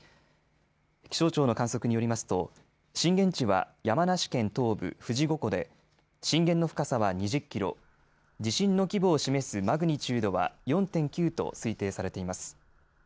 気象庁の観測によりますと、震源地は山梨県東部富士五湖で、震源の深さは２０キロ、地震の規模を示すマグニチュードは４．９と推定されています。